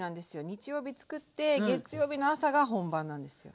日曜日作って月曜日の朝が本番なんですよ。